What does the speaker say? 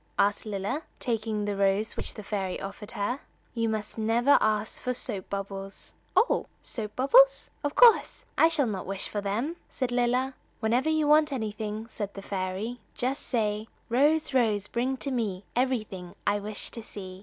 asked Lilla, taking the rose which the fairy offered her. "You must never ask for soap bubbles." "Oh, soap bubbles? Of course, I shall not wish for them!" said Lilla. "Whenever you want anything," said the fairy, "just say: "Rose, Rose, bring to me Everything I wish to see."